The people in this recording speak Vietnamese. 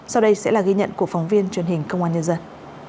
sau đây sẽ là ghi nhận của phóng viên truyền hình công an nhân dân